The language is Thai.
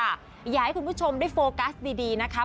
อยากให้คุณผู้ชมได้โฟกัสดีนะคะ